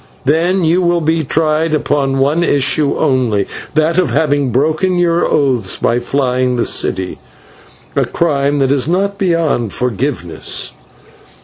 Then you will be tried upon one issue only that of having broken your oaths by flying the city a crime that is not beyond forgiveness."